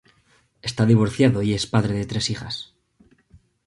Está divorciado y es padre de tres hijas.